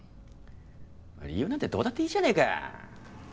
理由なんてどうだっていいじゃねえか。